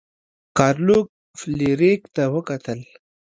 ګارلوک فلیریک ته وکتل.